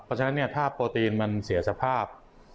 เพราะฉะนั้นถ้าโปรตีนมันเสียสภาพ